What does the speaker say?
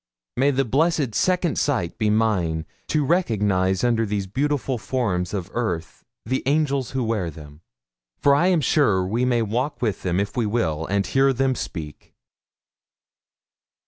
May the blessed second sight be mine to recognise under these beautiful forms of earth the ANGELS who wear them; for I am sure we may walk with them if we will, and hear them speak!